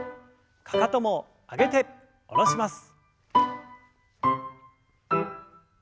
かかとも上げて下ろします。